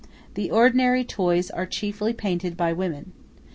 The ordinary toys are chiefly painted by women.